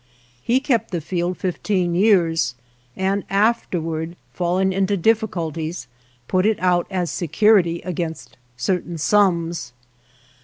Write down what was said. He kept the field fifteen years, and after ward falling into difficulties, put it out as security against certain sums.